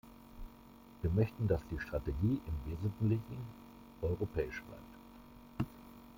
Wir möchten, dass die Strategie im Wesentlichen europäisch bleibt.